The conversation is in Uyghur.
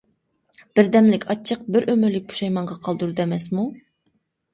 بىردەملىك ئاچچىق بىر ئۆمۈرلۈك پۇشايمانغا قالدۇرىدۇ ئەمەسمۇ!